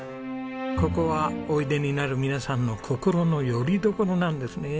ここはおいでになる皆さんの心のよりどころなんですね。